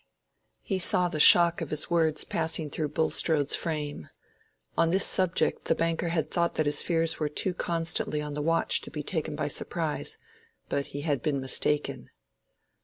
He saw the shock of his words passing through Bulstrode's frame. On this subject the banker had thought that his fears were too constantly on the watch to be taken by surprise; but he had been mistaken.